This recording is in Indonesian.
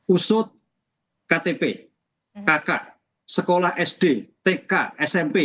usut ktp kakak sekolah sd tk smp